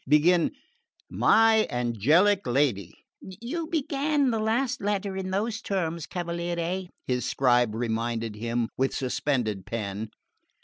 Begin 'My angelic lady' " "You began the last letter in those terms, cavaliere," his scribe reminded him with suspended pen.